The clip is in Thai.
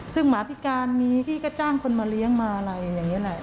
ซึ่งหมาพิการมีพี่ก็จ้างคนมาเลี้ยงมาอะไรอย่างนี้แหละ